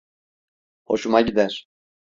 Hoşuma gider.